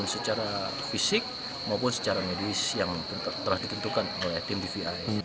secara fisik maupun secara medis yang telah ditentukan oleh tim dvi